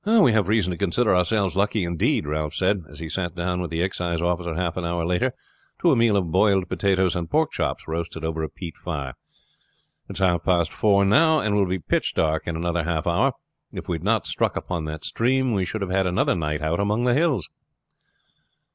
"We have reason to consider ourselves lucky indeed," Ralph said, as he sat down with the excise officer half an hour later to a meal of boiled potatoes and pork chops roasted over a peat fire. "It's half past four now, and will be pitch dark in another half hour. If we had not struck upon that stream we should have had another night out among the hills."